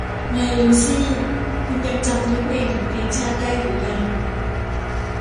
ไง ลูซี่ คุณยังจำเนื้อเพลงของเพลงชาติได้หรือยัง